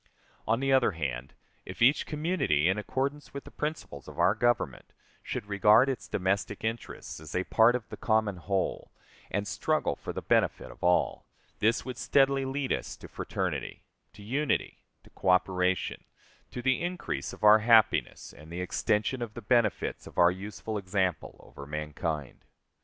On the other hand, if each community, in accordance with the principles of our Government, should regard its domestic interests as a part of the common whole, and struggle for the benefit of all, this would steadily lead us to fraternity, to unity, to coöperation, to the increase of our happiness and the extension of the benefits of our useful example over mankind.